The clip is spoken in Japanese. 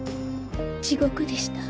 地獄でした。